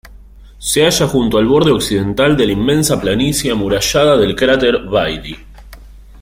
Se halla junto al borde occidental de la inmensa planicie amurallada del cráter Bailly.